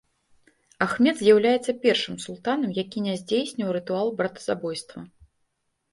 Ахмед з'яўляецца першым султанам, які не здзейсніў рытуал братазабойства.